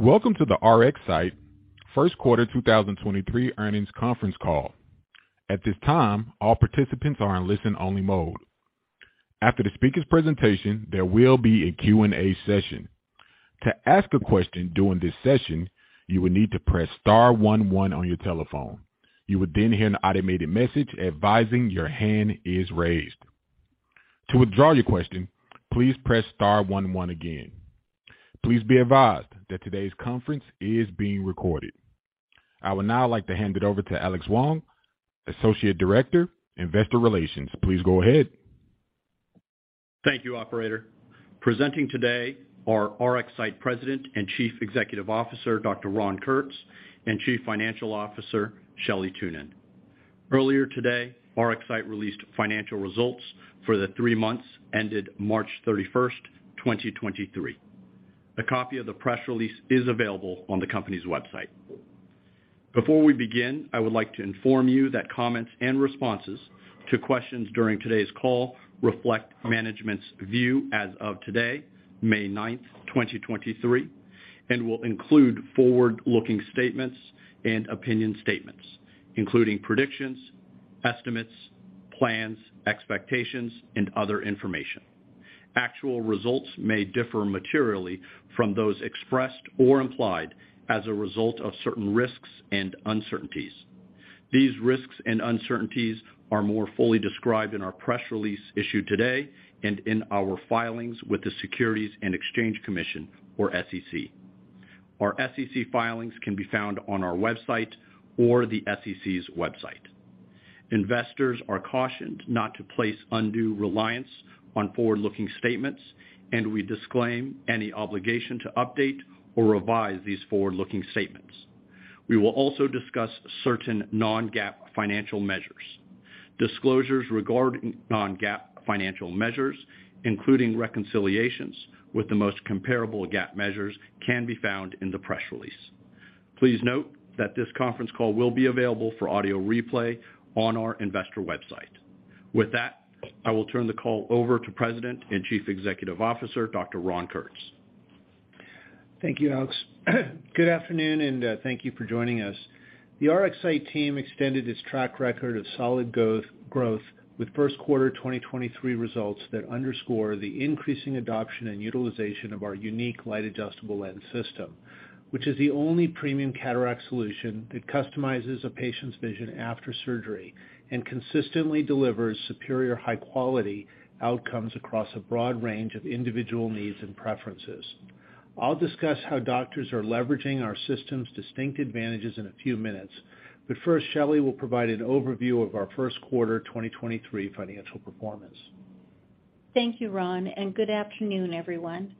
Welcome to the RxSight first quarter 2023 Earnings Conference Call. At this time, all participants are in listen-only mode. After the speaker's presentation, there will be a Q&A session. To ask a question during this session, you will need to press star one one on your telephone. You will then hear an automated message advising your hand is raised. To withdraw your question, please press star one one again. Please be advised that today's conference is being recorded. I would now like to hand it over to Alex Huang, Associate Director, Investor Relations. Please go ahead. Thank you, operator. Presenting today are RxSight President and Chief Executive Officer, Dr. Ron Kurtz, and Chief Financial Officer, Shelley Thunen. Earlier today, RxSight released financial results for the three months ended March 3first, 2023. A copy of the press release is available on the company's website. Before we begin, I would like to inform you that comments and responses to questions during today's call reflect management's view as of today, May 9th, 2023, and will include forward-looking statements and opinion statements, including predictions, estimates, plans, expectations, and other information. Actual results may differ materially from those expressed or implied as a result of certain risks and uncertainties. These risks and uncertainties are more fully described in our press release issued today and in our filings with the Securities and Exchange Commission, or SEC. Our SEC filings can be found on our website or the SEC's website. Investors are cautioned not to place undue reliance on forward-looking statements, and we disclaim any obligation to update or revise these forward-looking statements. We will also discuss certain non-GAAP financial measures. Disclosures regarding non-GAAP financial measures, including reconciliations with the most comparable GAAP measures, can be found in the press release. Please note that this conference call will be available for audio replay on our investor website. With that, I will turn the call over to President and Chief Executive Officer, Dr. Ron Kurtz. Thank you, Alex. Good afternoon, thank you for joining us. The RxSight team extended its track record of solid goth-growth with first quarter 2023 results that underscore the increasing adoption and utilization of our unique Light Adjustable Lens system, which is the only premium cataract solution that customizes a patient's vision after surgery and consistently delivers superior high quality outcomes across a broad range of individual needs and preferences. I'll discuss how doctors are leveraging our system's distinct advantages in a few minutes. First, Shelley will provide an overview of our first quarter 2023 financial performance. Thank you, Ron, and good afternoon, everyone.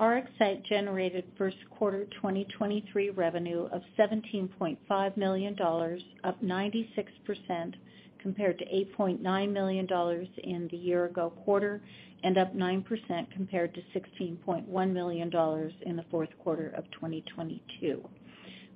RxSight generated first quarter 2023 revenue of $17.5 million, up 96% compared to $8.9 million in the year ago quarter and up 9% compared to $16.1 million in the fourth quarter of 2022.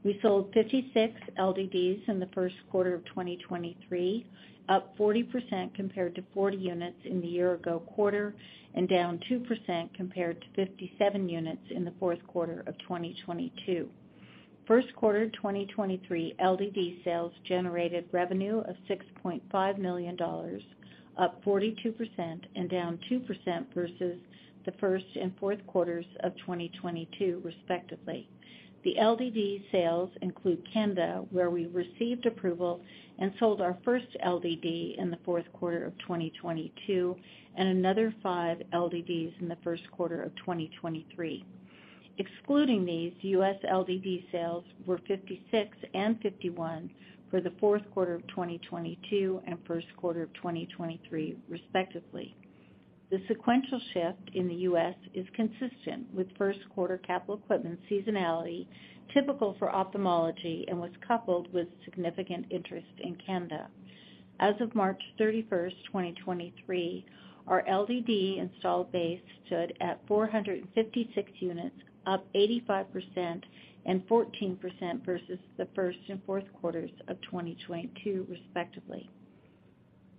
We sold 56 LDDs in the first quarter of 2023, up 40% compared to 40 units in the year ago quarter and down 2% compared to 57 units in the fourth quarter of 2022. First quarter 2023 LDD sales generated revenue of $6.5 million, up 42% and down 2% versus the first and fourth quarters of 2022, respectively. The LDD sales include Canada, where we received approval and sold our first LDD in the fourth quarter of 2022 and another five LDDs in the first quarter of 2023. Excluding these, U.S. LDD sales were 56 and 51 for the fourth quarter of 2022 and first quarter of 2023, respectively. The sequential shift in the U.S. is consistent with first quarter capital equipment seasonality typical for ophthalmology and was coupled with significant interest in Canada. As of March 3first, 2023, our LDD installed base stood at 456 units, up 85% and 14% versus the first and fourth quarters of 2022, respectively.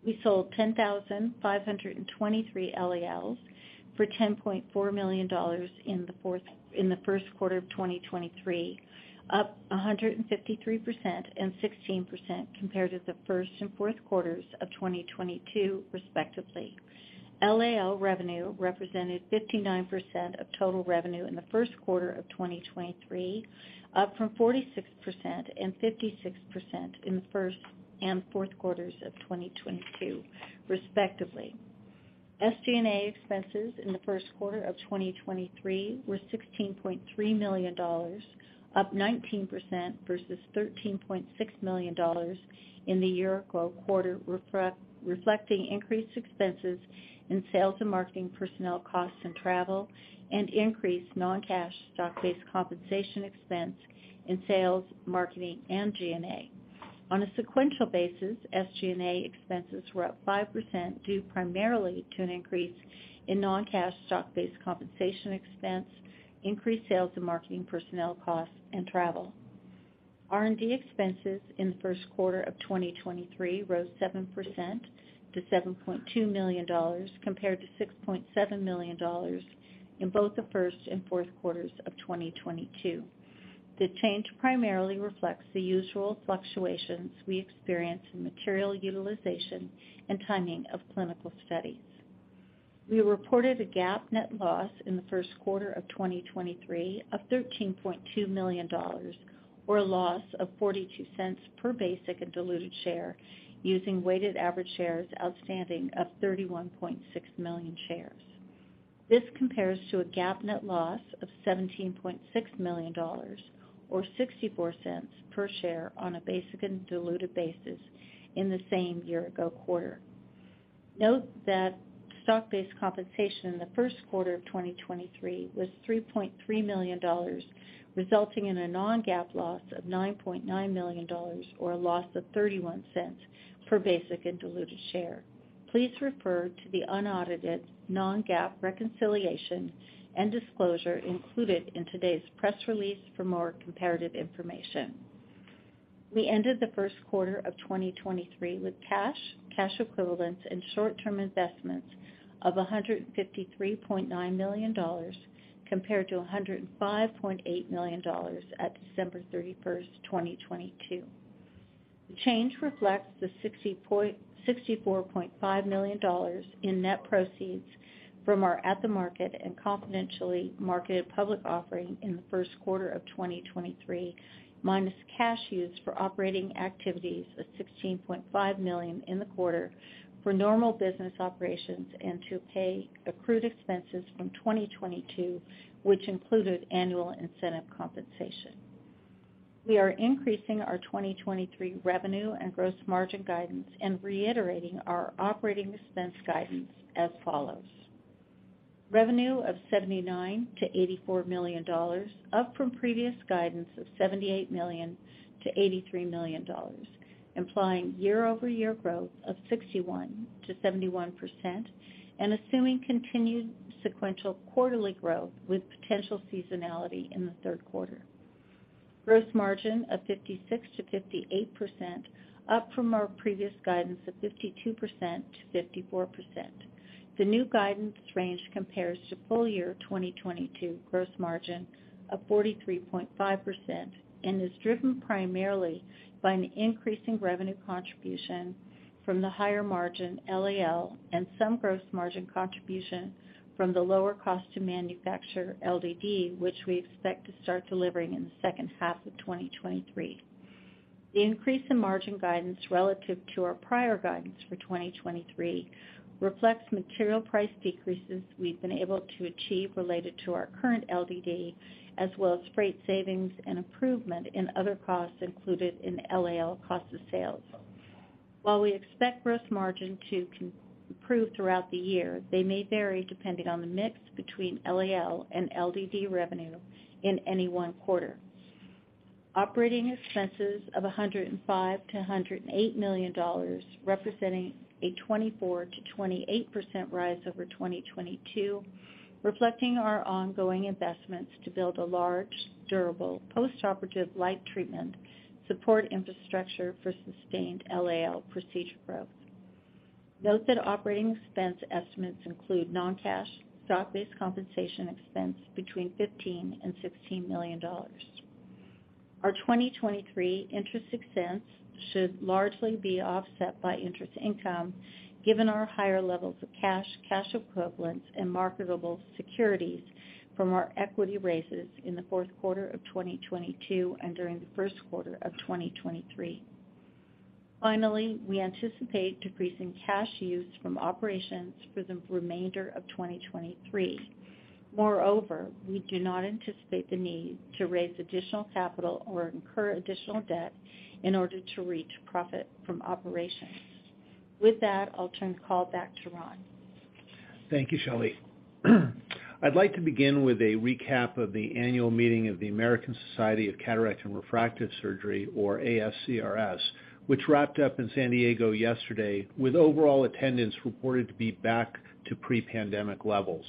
We sold 10,523 LALs for $10.4 million in the first quarter of 2023, up 153% and 16% compared to the first and fourth quarters of 2022, respectively. LAL revenue represented 59% of total revenue in the first quarter of 2023, up from 46% and 56% in the first and fourth quarters of 2022, respectively. SG&A expenses in the first quarter of 2023 were $16.3 million, up 19% versus $13.6 million in the year ago quarter, reflecting increased expenses in sales and marketing personnel costs and travel and increased non-cash stock-based compensation expense in sales, marketing, and G&A. On a sequential basis, SG&A expenses were up 5% due primarily to an increase in non-cash stock-based compensation expense, increased sales and marketing personnel costs and travel. R&D expenses in the first quarter of 2023 rose 7% to $7.2 million, compared to $6.7 million in both the first and fourth quarters of 2022. The change primarily reflects the usual fluctuations we experience in material utilization and timing of clinical studies. We reported a GAAP net loss in the first quarter of 2023 of $13.2 million or a loss of $0.42 per basic and diluted share using weighted average shares outstanding of 31.6 million shares. This compares to a GAAP net loss of $17.6 million or $0.64 per share on a basic and diluted basis in the same year ago quarter. Note that stock-based compensation in the first quarter of 2023 was $3.3 million, resulting in a non-GAAP loss of $9.9 million or a loss of $0.31 per basic and diluted share. Please refer to the unaudited non-GAAP reconciliation and disclosure included in today's press release for more comparative information. We ended the first quarter of 2023 with cash equivalents, and short-term investments of $153.9 million compared to $105.8 million at December 30 1st, 2022. The change reflects the $64.5 million in net proceeds from our at-the-market and confidentially marketed public offering in the first quarter of 2023, minus cash used for operating activities of $16.5 million in the quarter for normal business operations and to pay accrued expenses from 2022, which included annual incentive compensation. We are increasing our 2023 revenue and gross margin guidance and reiterating our operating expense guidance as follows. Revenue of $79 million-$84 million, up from previous guidance of $78 million-$83 million, implying year-over-year growth of 61%-71% and assuming continued sequential quarterly growth with potential seasonality in the third quarter. Gross margin of 56%-58%, up from our previous guidance of 52%-54%. The new guidance range compares to full year 2022 gross margin of 43.5% and is driven primarily by an increasing revenue contribution from the higher margin LAL and some gross margin contribution from the lower cost to manufacture LDD, which we expect to start delivering in the second half of 2023. The increase in margin guidance relative to our prior guidance for 2023 reflects material price decreases we've been able to achieve related to our current LDD, as well as freight savings and improvement in other costs included in LAL cost of sales. While we expect gross margin to improve throughout the year, they may vary depending on the mix between LAL and LDD revenue in any one quarter. Operating expenses of $105 million-$108 million, representing a 24%-28% rise over 2022, reflecting our ongoing investments to build a large, durable post-operative light treatment support infrastructure for sustained LAL procedure growth. Note that operating expense estimates include non-cash stock-based compensation expense between $15 million and $16 million. Our 2023 interest expense should largely be offset by interest income given our higher levels of cash equivalents, and marketable securities from our equity raises in the fourth quarter of 2022 and during the first quarter of 2023. Finally, we anticipate decreasing cash use from operations for the remainder of 2023. Moreover, we do not anticipate the need to raise additional capital or incur additional debt in order to reach profit from operations. With that, I'll turn the call back to Ron. Thank you, Shelley. I'd like to begin with a recap of the annual meeting of the American Society of Cataract and Refractive Surgery, or ASCRS, which wrapped up in San Diego yesterday, with overall attendance reported to be back to pre-pandemic levels.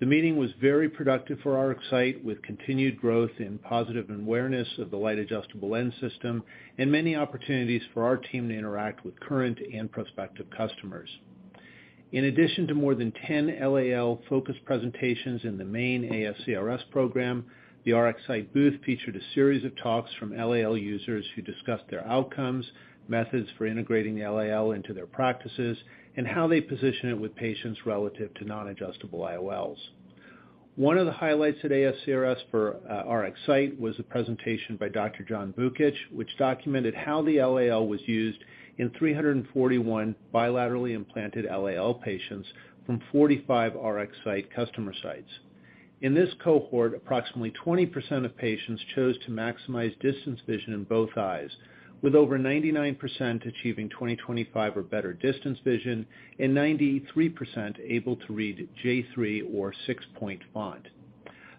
The meeting was very productive for RxSight, with continued growth in positive awareness of the Light Adjustable Lens system and many opportunities for our team to interact with current and prospective customers. In addition to more than 10 LAL-focused presentations in the main ASCRS program, the RxSight booth featured a series of talks from LAL users who discussed their outcomes, methods for integrating the LAL into their practices, and how they position it with patients relative to non-adjustable IOLs. One of the highlights at ASCRS for RxSight was a presentation by Dr. John Vukich, which documented how the LAL was used in 341 bilaterally implanted LAL patients from 45 RxSight customer sites. In this cohort, approximately 20% of patients chose to maximize distance vision in both eyes, with over 99% achieving 20/25 or better distance vision and 93% able to read J3 or 6-point font.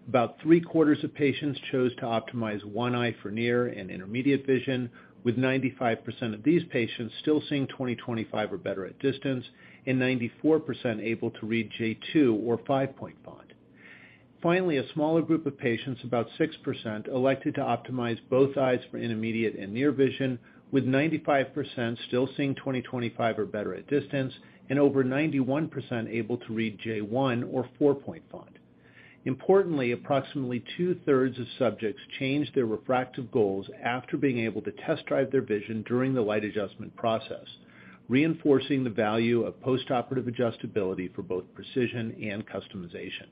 About three-quarters of patients chose to optimize one eye for near and intermediate vision, with 95% of these patients still seeing 20/25 or better at distance and 94% able to read J2 or 5-point font. Finally, a smaller group of patients, about 6%, elected to optimize both eyes for intermediate and near vision, with 95% still seeing 20/25 or better at distance, and over 91% able to read J1 or 4-point font. Importantly, approximately two-thirds of subjects changed their refractive goals after being able to test drive their vision during the light adjustment process, reinforcing the value of postoperative adjustability for both precision and customization.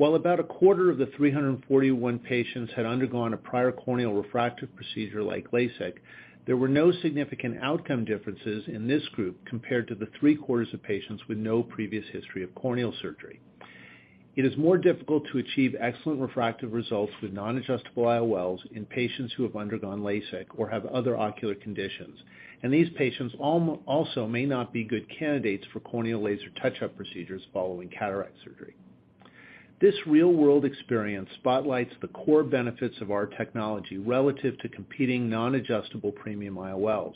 While about a quarter of the 341 patients had undergone a prior corneal refractive procedure like LASIK, there were no significant outcome differences in this group compared to the three-quarters of patients with no previous history of corneal surgery. It is more difficult to achieve excellent refractive results with non-adjustable IOLs in patients who have undergone LASIK or have other ocular conditions, and these patients also may not be good candidates for corneal laser touch-up procedures following cataract surgery. This real-world experience spotlights the core benefits of our technology relative to competing non-adjustable premium IOLs,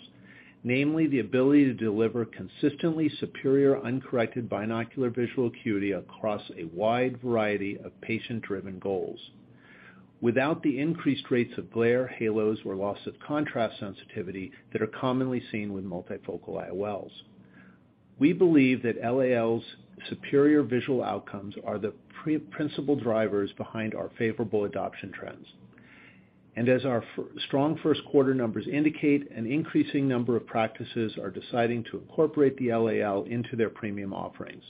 namely the ability to deliver consistently superior, uncorrected binocular visual acuity across a wide variety of patient-driven goals. Without the increased rates of glare halos or loss of contrast sensitivity that are commonly seen with multifocal IOLs. We believe that LAL's superior visual outcomes are the principal drivers behind our favorable adoption trends. As our strong first quarter numbers indicate, an increasing number of practices are deciding to incorporate the LAL into their premium offerings.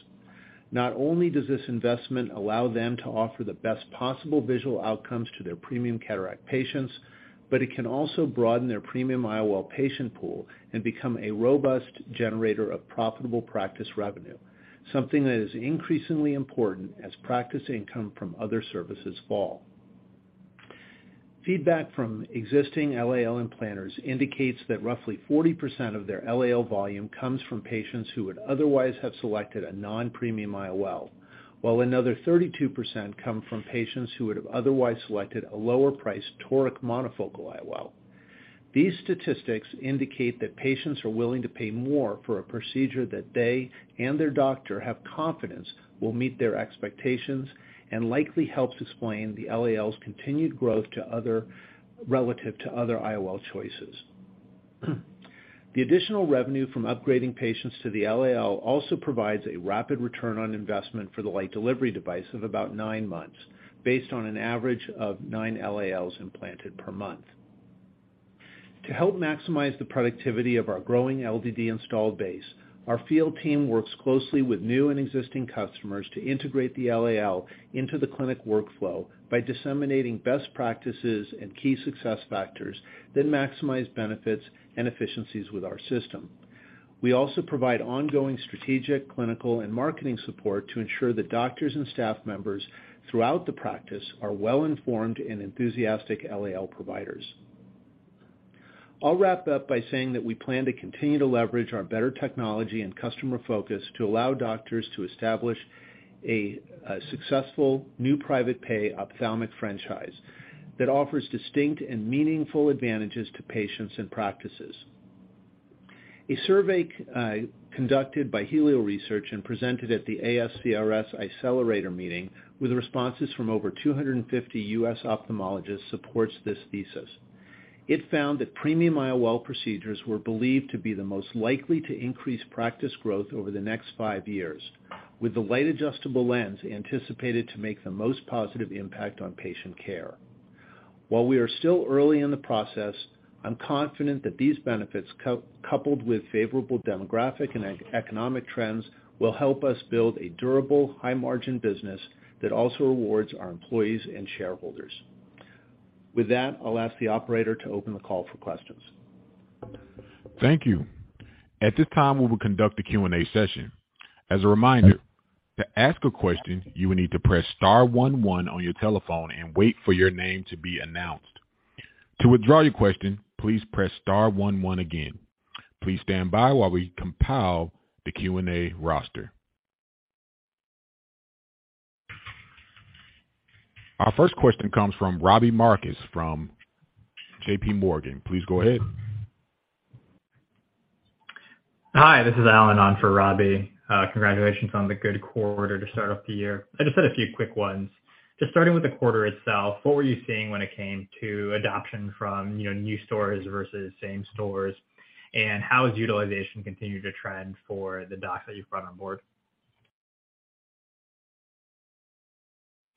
Not only does this investment allow them to offer the best possible visual outcomes to their premium cataract patients, but it can also broaden their premium IOL patient pool and become a robust generator of profitable practice revenue, something that is increasingly important as practice income from other services fall. Feedback from existing LAL implanters indicates that roughly 40% of their LAL volume comes from patients who would otherwise have selected a non-premium IOL, while another 32% come from patients who would have otherwise selected a lower price toric monofocal IOL. These statistics indicate that patients are willing to pay more for a procedure that they and their doctor have confidence will meet their expectations and likely helps explain the LAL's continued growth relative to other IOL choices. The additional revenue from upgrading patients to the LAL also provides a rapid ROI for the Light Delivery Device of about nine months, based on an average of nine LALs implanted per month. To help maximize the productivity of our growing LDD installed base, our field team works closely with new and existing customers to integrate the LAL into the clinic workflow by disseminating best practices and key success factors that maximize benefits and efficiencies with our system. We also provide ongoing strategic, clinical, and marketing support to ensure that doctors and staff members throughout the practice are well-informed and enthusiastic LAL providers. I'll wrap up by saying that we plan to continue to leverage our better technology and customer focus to allow doctors to establish a successful new private pay ophthalmic franchise that offers distinct and meaningful advantages to patients and practices. A survey conducted by Healio Research and presented at the ASCRS Eyecelerator meeting, with responses from over 250 U.S. ophthalmologists, supports this thesis. It found that premium IOL procedures were believed to be the most likely to increase practice growth over the next five years, with the Light Adjustable Lens anticipated to make the most positive impact on patient care. While we are still early in the process, I'm confident that these benefits coupled with favorable demographic and economic trends will help us build a durable, high-margin business that also rewards our employees and shareholders. With that, I'll ask the operator to open the call for questions. Thank you. At this time, we will conduct a Q&A session. As a reminder, to ask a question, you will need to press star one one on your telephone and wait for your name to be announced. To withdraw your question, please press star one one again. Please stand by while we compile the Q&A roster. Our first question comes from Robbie Marcus from J.P. Morgan. Please go ahead. Hi, this is Allen on for Robbie. Congratulations on the good quarter to start off the year. I just had a few quick ones. Just starting with the quarter itself, what were you seeing when it came to adoption from, you know, new stores versus same stores? How has utilization continued to trend for the docs that you've brought on board?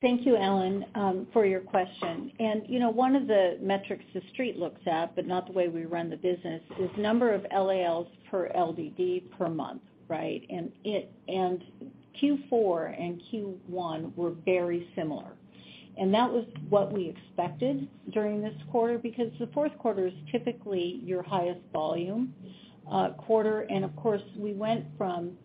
Thank you, Allen, for your question. And, you know, one of the metrics The Street looks at, but not the way we run the business, is number of LALs per LDD per month, right? Q4 and Q1 were very similar. That was what we expected during this quarter because the fourth quarter is typically your highest volume quarter and of course, we went from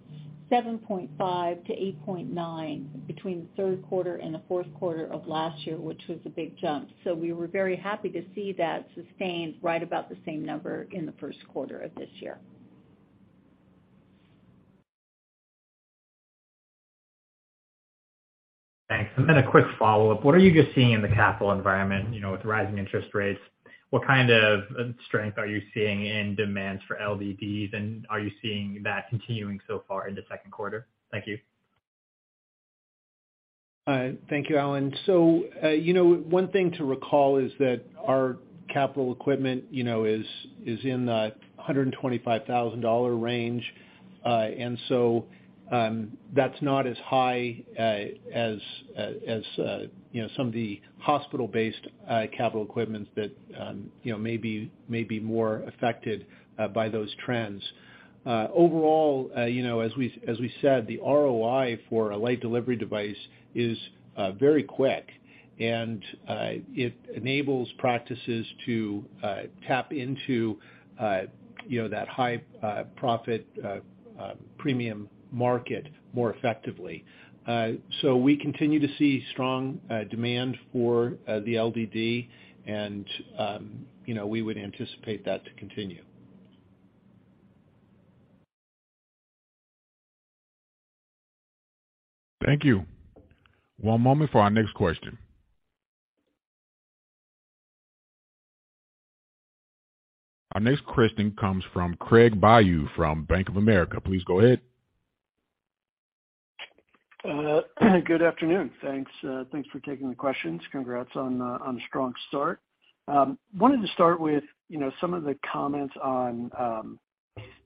7.5 to 8.9 between the third quarter and the fourth quarter of last year, which was a big jump. We were very happy to see that sustained right about the same number in the first quarter of this year. Thanks. A quick follow-up. What are you guys seeing in the capital environment, you know, with rising interest rates? What kind of strength are you seeing in demands for LDDs, and are you seeing that continuing so far in the second quarter? Thank you. Thank you, Allen. You know, one thing to recall is that our capital equipment, you know, is in the $125,000 range. That's not as high, as, you know, some of the hospital-based, capital equipments that, you know, may be, may be more affected by those trends. You know, as we, as we said, the ROI for a Light Delivery Device is, very quick, and, it enables practices to, tap into, you know, that high, profit, premium market more effectively. We continue to see strong, demand for, the LDD and, you know, we would anticipate that to continue. Thank you. One moment for our next question. Our next question comes from Craig Bijou from Bank of America. Please go ahead. Good afternoon. Thanks, thanks for taking the questions. Congrats on a strong start. Wanted to start with, you know, some of the comments on,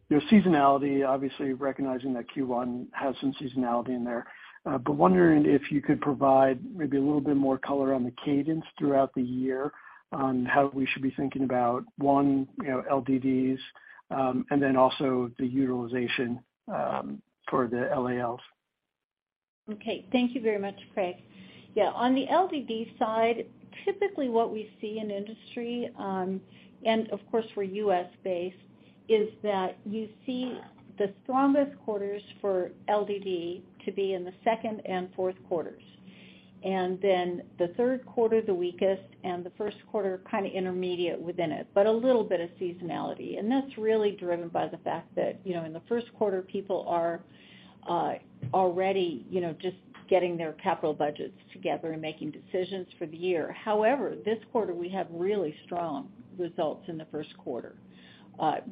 your seasonality, obviously recognizing that Q1 has some seasonality in there. Wondering if you could provide maybe a little bit more color on the cadence throughout the year on how we should be thinking about, one, you know, LDDs, and then also the utilization, for the LALs? Okay. Thank you very much, Craig. Yeah, on the LDD side, typically what we see in industry, and of course, we're U.S.-based, is that you see the strongest quarters for LDD to be in the second and fourth quarters, and then the third quarter, the weakest and the first quarter kind of intermediate within it, but a little bit of seasonality. That's really driven by the fact that, you know, in the first quarter, people are already, you know, just getting their capital budgets together and making decisions for the year. However, this quarter we have really strong results in the first quarter,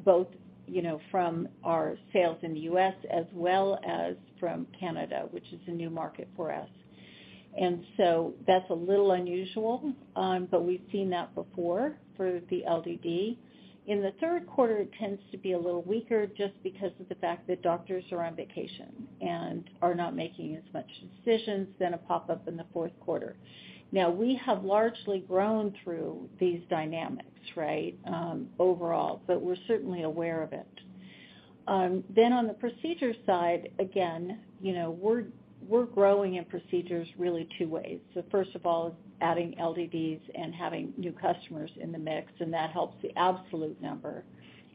both, you know, from our sales in the U.S. as well as from Canada, which is a new market for us. So that's a little unusual, but we've seen that before for the LDD. In the third quarter, it tends to be a little weaker just because of the fact that doctors are on vacation and are not making as much decisions, then a pop-up in the fourth quarter. We have largely grown through these dynamics, right, overall, but we're certainly aware of it. On the procedure side, again, you know, we're growing in procedures really two ways. First of all, adding LDDs and having new customers in the mix, and that helps the absolute number.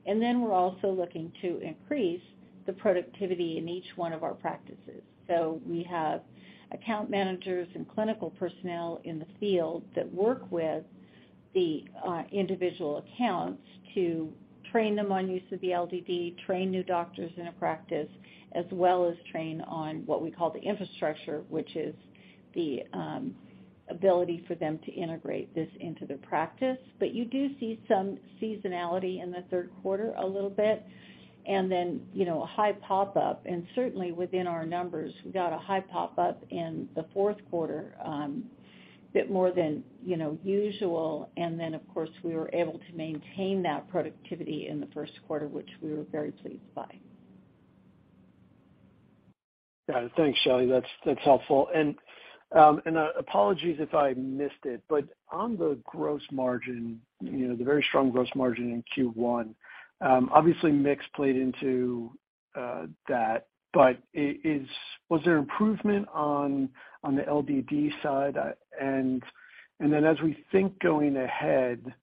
We're also looking to increase the productivity in each one of our practices. We have account managers and clinical personnel in the field that work with the individual accounts to train them on use of the LDD, train new doctors in a practice, as well as train on what we call the infrastructure, which is the ability for them to integrate this into their practice. You do see some seasonality in the third quarter a little bit, and then, you know, a high pop-up. Certainly within our numbers, we got a high pop-up in the fourth quarter, a bit more than, you know, usual. Of course, we were able to maintain that productivity in the first quarter, which we were very pleased by. Yeah. Thanks, Shelley. That's, that's helpful. Apologies if I missed it, but on the gross margin, you know, the very strong gross margin in Q1, obviously mix played into that. Was there improvement on the LDD side? Then as we think going ahead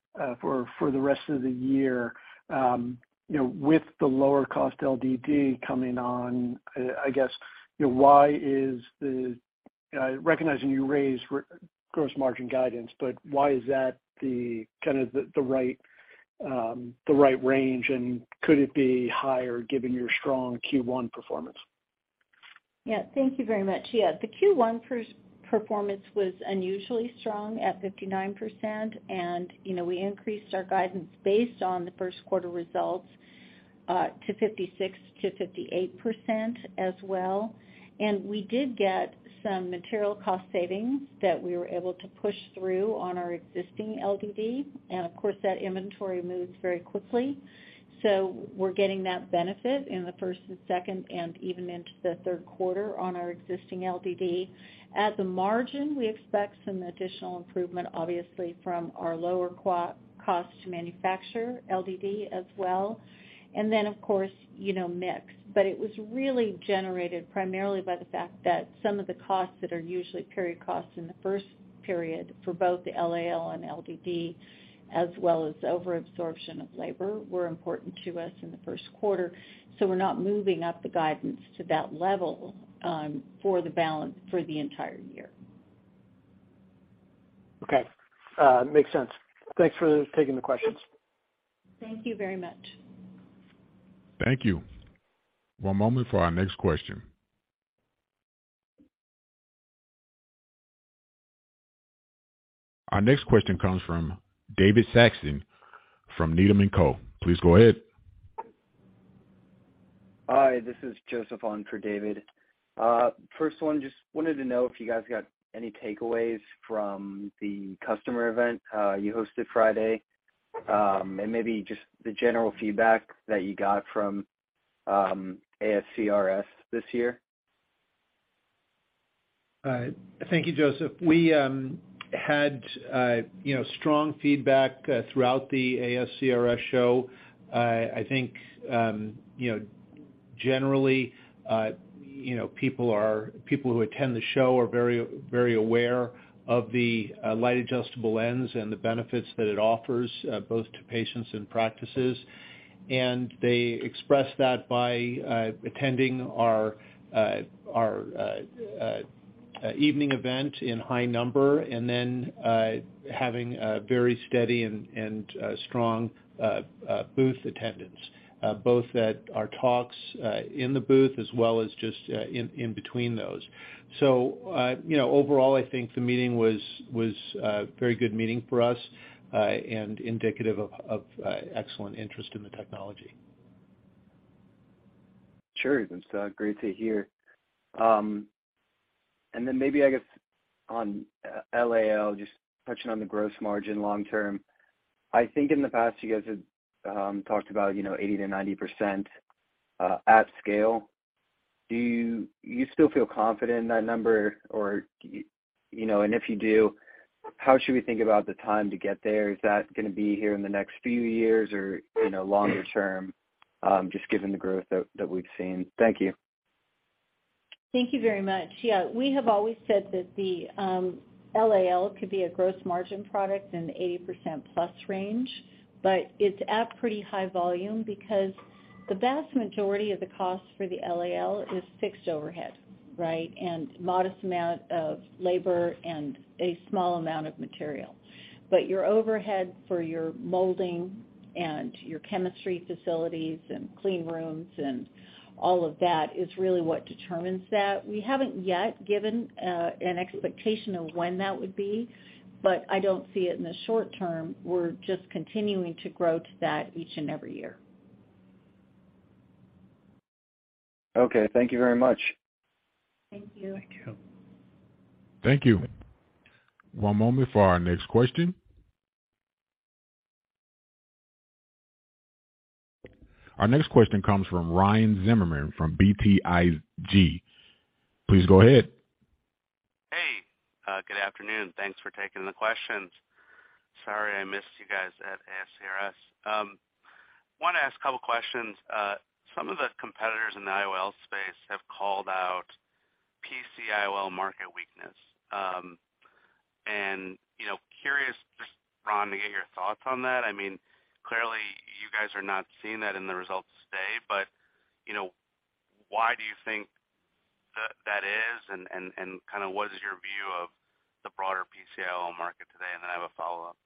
for the rest of the year, you know, with the lower cost LDD coming on, I guess, you know, why is the... Recognizing you raised gross margin guidance, why is that the, kind of the right range, and could it be higher given your strong Q1 performance? Yeah. Thank you very much. Yeah. The Q1 per-performance was unusually strong at 59%. You know, we increased our guidance based on the first quarter results, to 56%-58% as well. We did get some material cost savings that we were able to push through on our existing LDD. Of course, that inventory moves very quickly, so we're getting that benefit in the first and second and even into the third quarter on our existing LDD. At the margin, we expect some additional improvement, obviously from our lower cost to manufacture LDD as well. Of course, you know, mix. It was really generated primarily by the fact that some of the costs that are usually period costs in the first period for both the LAL and LDD, as well as over absorption of labor were important to us in the first quarter. We're not moving up the guidance to that level, for the balance for the entire year. Okay. makes sense. Thanks for taking the questions. Thank you very much. Thank you. One moment for our next question. Our next question comes from David Saxon from Needham & Company. Please go ahead. Hi, this is Joseph on for David. First one, just wanted to know if you guys got any takeaways from the customer event you hosted Friday, and maybe just the general feedback that you got from ASCRS this year? Thank you, Joseph. We had, you know, strong feedback throughout the ASCRS show. I think, you know, generally, you know, people who attend the show are very, very aware of the Light Adjustable Lens and the benefits that it offers both to patients and practices. They express that by attending our evening event in high number and then having a very steady and strong booth attendance both at our talks in the booth as well as just in between those. You know, overall, I think the meeting was very good meeting for us and indicative of excellent interest in the technology. Sure. That's great to hear. Maybe I guess on LAL, just touching on the gross margin long term, I think in the past you guys had talked about, you know, 80%-90% at scale. Do you still feel confident in that number? You know, if you do, how should we think about the time to get there? Is that gonna be here in the next few years or, you know, longer term, just given the growth that we've seen? Thank you. Thank you very much. Yeah. We have always said that the LAL could be a gross margin product in the 80%+ range, it's at pretty high volume because the vast majority of the cost for the LAL is fixed overhead, right? Modest amount of labor and a small amount of material. Your overhead for your molding and your chemistry facilities and clean rooms and all of that is really what determines that. We haven't yet given an expectation of when that would be, I don't see it in the short term. We're just continuing to grow to that each and every year. Okay. Thank you very much. Thank you. Thank you. Thank you. One moment for our next question. Our next question comes from Ryan Zimmerman from BTIG. Please go ahead. Hey. Good afternoon. Thanks for taking the questions. Sorry, I missed you guys at ASCRS. Wanna ask a couple of questions. Some of the competitors in the IOL space have called out PC IOL market weakness. You know, curious just, Ron, to get your thoughts on that. I mean, clearly you guys are not seeing that in the results today, but, you know, why do you think that that is? Kinda what is your view of the broader PC IOL market today? Then I have a follow-up.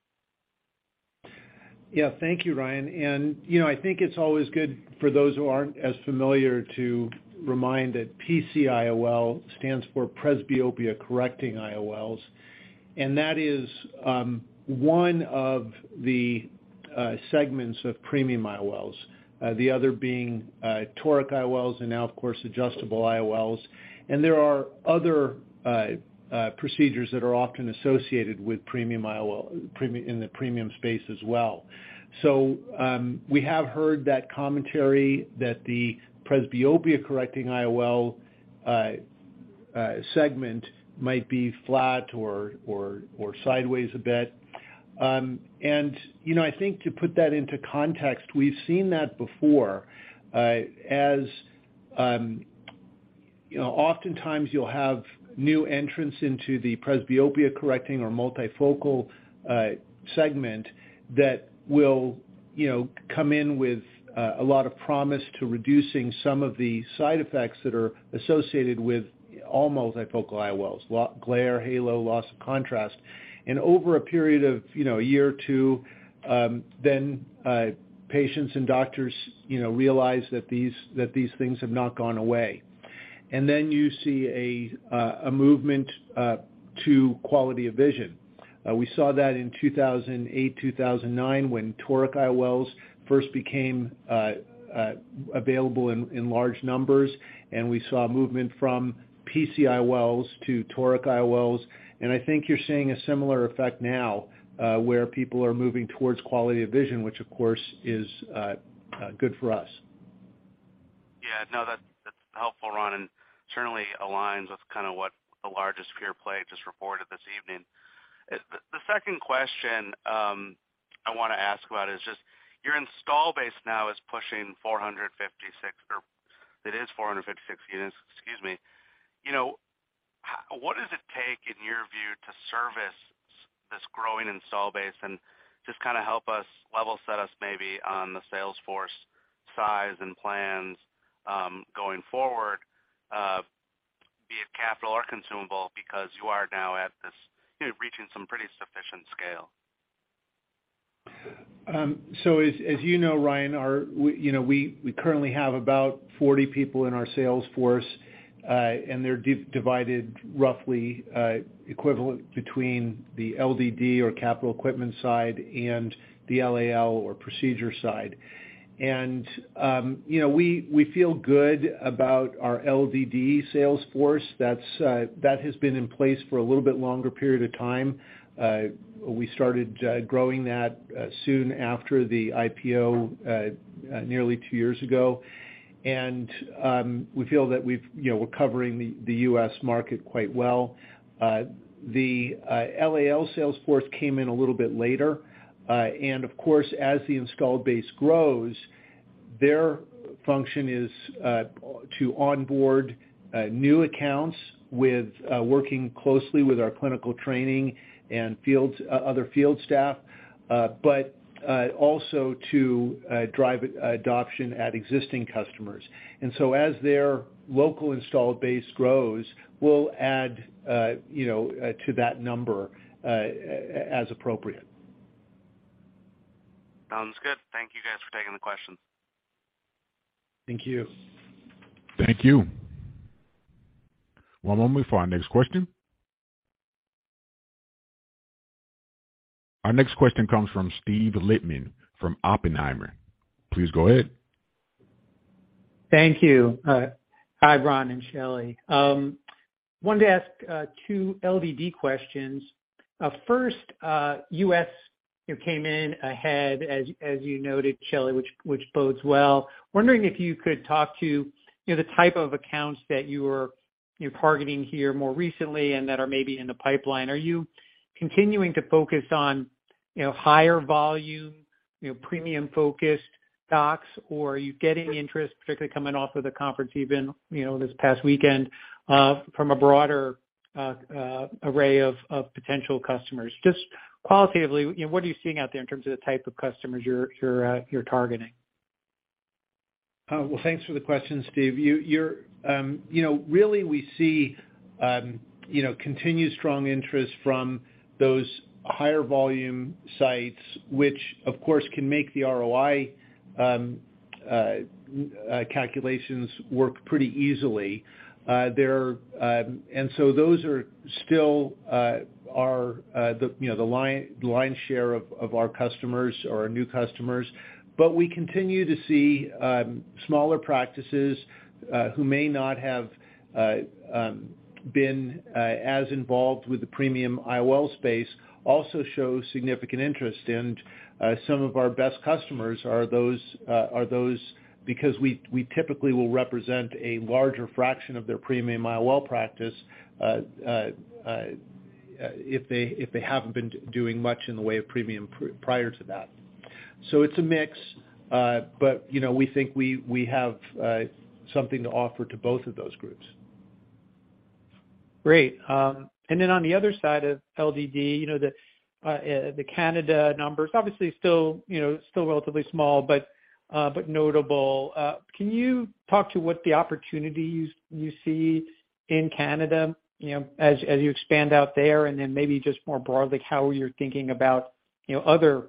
Yeah. Thank you, Ryan. You know, I think it's always good for those who aren't as familiar to remind that PC IOL stands for presbyopia-correcting IOLs, and that is one of the segments of premium IOLs, the other being toric IOLs and now of course, adjustable IOLs. There are other procedures that are often associated with premium IOL in the premium space as well. We have heard that commentary that the presbyopia-correcting IOL segment might be flat or sideways a bit. You know, I think to put that into context, we've seen that before, as, you know, oftentimes you'll have new entrants into the presbyopia correcting or multifocal segment that will, you know, come in with a lot of promise to reducing some of the side effects that are associated with all multifocal IOLs, glare, halo, loss of contrast. Over a period of, you know, a year or two, then patients and doctors, you know, realize that these things have not gone away. You see a movement to quality of vision. We saw that in 2008, 2009 when toric IOLs first became available in large numbers, and we saw movement from PC IOLs to toric IOLs. I think you're seeing a similar effect now, where people are moving towards quality of vision, which of course is, good for us. Yeah. No, that's helpful, Ron, and certainly aligns with kinda what the largest peer play just reported this evening. The second question, I wanna ask about is just your install base now is pushing 456, or it is 456 units, excuse me. You know, what does it take in your view to service this growing install base? Just kinda help us, level set us maybe on the sales force size and plans, going forward, be it capital or consumable, because you are now at- As you know, Ryan, we, you know, we currently have about 40 people in our sales force, and they're divided roughly equivalent between the LDD or capital equipment side and the LAL or procedure side. You know, we feel good about our LDD sales force. That's that has been in place for a little bit longer period of time. We started growing that soon after the IPO, nearly two years ago. You know, we feel that we've, you know, we're covering the U.S. market quite well. The LAL sales force came in a little bit later. Of course, as the installed base grows, their function is to onboard new accounts with working closely with our clinical training and fields... Other field staff, but also to drive adoption at existing customers. As their local installed base grows, we'll add, you know, to that number as appropriate. Sounds good. Thank you guys for taking the question. Thank you. Thank you. One moment for our next question. Our next question comes from Steven Lichtman from Oppenheimer. Please go ahead. Thank you. Hi, Ron and ShellEy. wanted to ask two LDD questions. First, U.S., you came in ahead as you noted, Shelley, which bodes well. Wondering if you could talk to, you know, the type of accounts that you're targeting here more recently and that are maybe in the pipeline. Are you continuing to focus on, you know, higher volume, you know, premium-focused docs? Or are you getting interest, particularly coming off of the conference you've been, you know, this past weekend, from a broader array of potential customers? Just qualitatively, you know, what are you seeing out there in terms of the type of customers you're targeting? Well, thanks for the question, Steven Lichtman. You know, really we see, you know, continued strong interest from those higher volume sites, which of course can make the ROI calculations work pretty easily. Those are still our, you know, the line share of our customers or our new customers. We continue to see smaller practices who may not have been as involved with the premium IOL space also show significant interest. Some of our best customers are those because we typically will represent a larger fraction of their premium IOL practice if they haven't been doing much in the way of premium prior to that. It's a mix. You know, we think we have something to offer to both of those groups. Great. On the other side of LDD, you know, the Canada numbers, obviously still, you know, still relatively small, but notable. Can you talk to what the opportunities you see in Canada, you know, as you expand out there? Maybe just more broadly, how you're thinking about, you know, other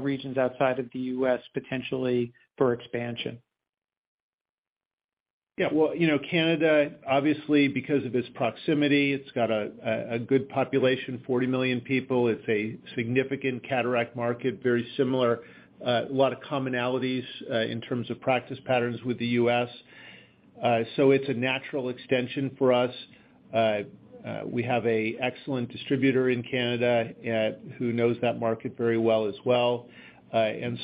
regions outside of the US potentially for expansion. Yeah. Well, you know, Canada, obviously because of its proximity, it's got a good population, 40 million people. It's a significant cataract market, very similar, a lot of commonalities in terms of practice patterns with the US. It's a natural extension for us. We have a excellent distributor in Canada who knows that market very well as well. You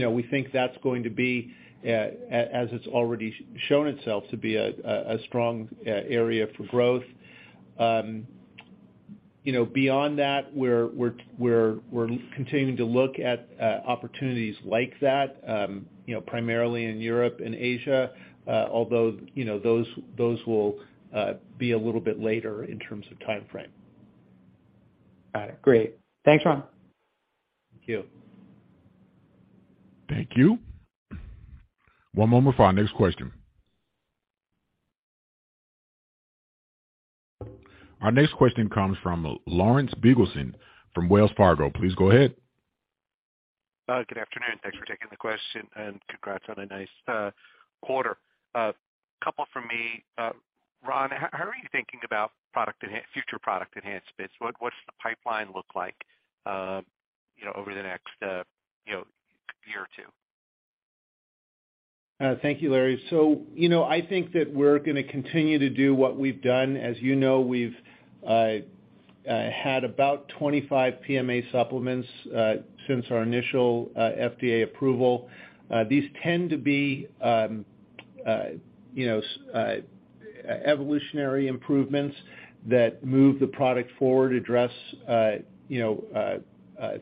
know, we think that's going to be as it's already shown itself to be a strong area for growth. You know, beyond that, we're continuing to look at opportunities like that, you know, primarily in Europe and Asia. Although, you know, those will be a little bit later in terms of timeframe. Got it. Great. Thanks, Ron. Thank you. Thank you. One moment for our next question. Our next question comes from Lawrence Biegelsen from Wells Fargo. Please go ahead. Good afternoon. Thanks for taking the question, and congrats on a nice quarter. Couple from me. Ron, how are you thinking about future product enhancements? What's the pipeline look like, you know, over the next, you know, year or two? Thank you, Larry. You know, I think that we're gonna continue to do what we've done. As you know, we've had about 25 PMA supplements since our initial FDA approval. These tend to be, you know, evolutionary improvements that move the product forward, address, you know,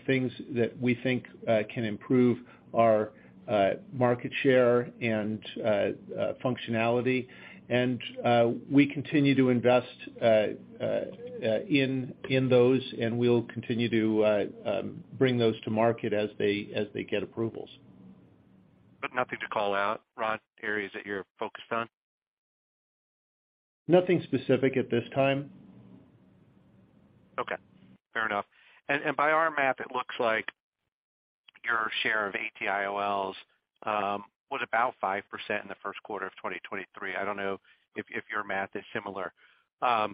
things that we think can improve our market share and functionality. We continue to invest in those, and we'll continue to bring those to market as they get approvals. Nothing to call out, Ron, areas that you're focused on? Nothing specific at this time. Okay. Fair enough. By our math, it looks like your share of AT-IOLs was about 5% in the first quarter of 2023. I don't know if your math is similar. I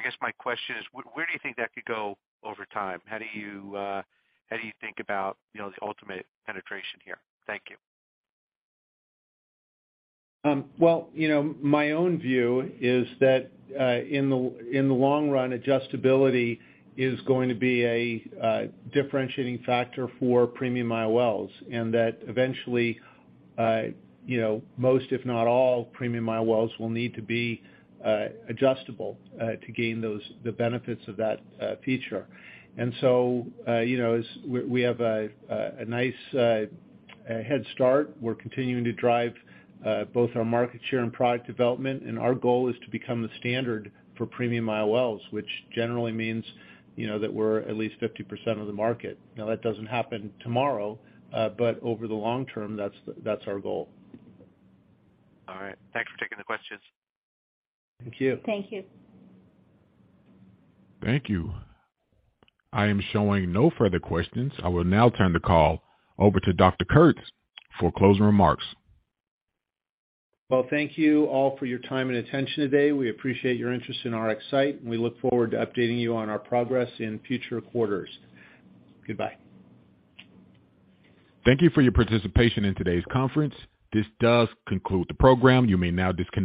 guess my question is: Where do you think that could go over time? How do you think about, you know, the ultimate penetration here? Thank you. Well, you know, my own view is that in the long run, adjustability is going to be a differentiating factor for premium IOLs, and that eventually, you know, most, if not all premium IOLs will need to be adjustable to gain those, the benefits of that feature. You know, as we have a nice head start. We're continuing to drive both our market share and product development, and our goal is to become the standard for premium IOLs, which generally means, you know, that we're at least 50% of the market. That doesn't happen tomorrow, but over the long term, that's our goal. All right. Thanks for taking the questions. Thank you. Thank you. Thank you. I am showing no further questions. I will now turn the call over to Dr. Kurtz for closing remarks. Thank you all for your time and attention today. We appreciate your interest in RxSight, and we look forward to updating you on our progress in future quarters. Goodbye. Thank you for your participation in today's conference. This does conclude the program. You may now disconnect.